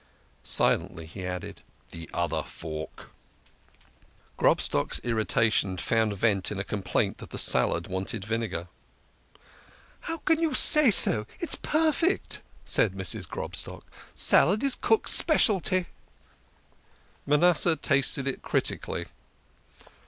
Silently he added : "The other fork !" Grobstock's irritation found vent in a complaint that the salad wanted vinegar. "How can you say so? It's perfect," said Mrs. Grob stock. " Salad is cook's speciality." Manasseh tasted it critically.